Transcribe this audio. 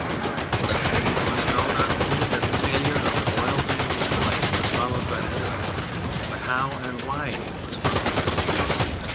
Thus the reader must know not only that the failure of the royal family's flight was followed by war, but how and why it was followed by war.